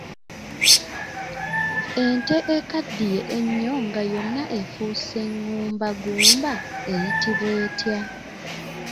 Ente ekaddiye ennyo nga yonna efuuse ngumbagumba eyitibwa etya?